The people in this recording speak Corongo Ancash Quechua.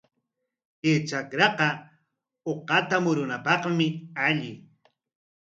Kay trakraqa uqata murunapaqmi alli.